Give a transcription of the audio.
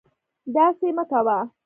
داسې مکوه